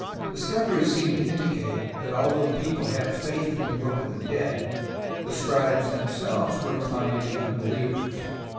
Discoveries seem to indicate that although the people had faith in the Book of the Dead, the scribes themselves were inclined to be unbelievers.